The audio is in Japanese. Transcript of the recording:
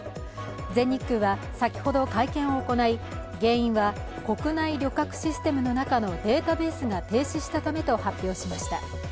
全日空は先ほど会見を行い、原因は国内旅客システムの中のデータベースが停止したためと発表しました。